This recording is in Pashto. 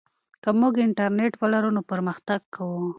که موږ انټرنیټ ولرو نو پرمختګ کوو.